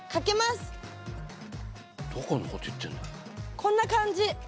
こんな感じ。